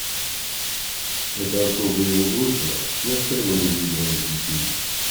Эта особа его бросила и оставила ему двоих детей.